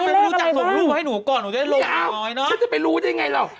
นี่เอ้าฉันจะไปรู้ได้ไงเหรอ